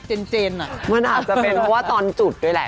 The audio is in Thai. มันอาจจะแปลกเป็นอยู่พื้นตอนจุดด้วยล่ะ